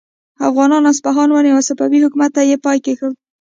افغانانو اصفهان ونیو او صفوي حکومت ته یې پای کیښود.